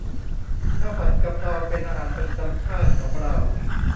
ข้าวผัดกะเพรา เป็นอาหารประจำชาติของเรา